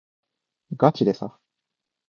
がちでさ